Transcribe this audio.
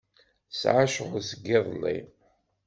Tesɛa ccɣel seg iḍelli.